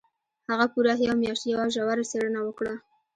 هغه پوره یوه میاشت یوه ژوره څېړنه وکړه